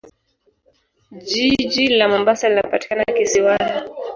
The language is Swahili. Jiji la Mombasa linapatikana kisiwani.